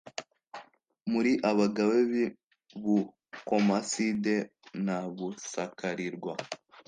Muri abagabe bi Bukomasinde na Busakarirwa